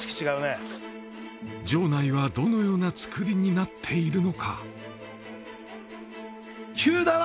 城内はどのような造りになっているのか急だな！